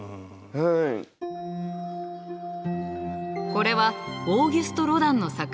これはオーギュスト・ロダンの作品。